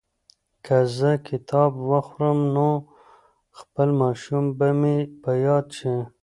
که زه کباب وخورم نو خپل ماشومتوب به مې په یاد شي.